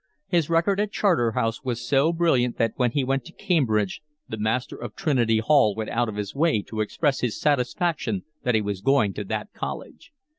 His record at Charterhouse was so brilliant that when he went to Cambridge the Master of Trinity Hall went out of his way to express his satisfaction that he was going to that college.